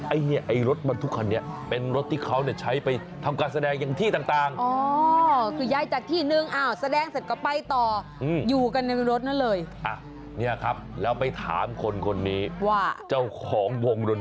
ไอ้เนี่ยไอ้รถบรรทุกคันนี้เป็นรถที่เขาเนี่ยใช้ไปทำการแสดงอย่างที่ต่าง